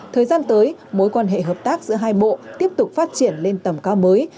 thời gian tới mối quan hệ hợp tác giữa hai bộ tiếp tục phát triển lên tầm cao mới